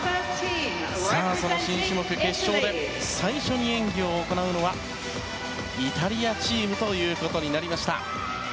さあ、その新種目決勝で最初に演技を行うのはイタリアチームということになりました。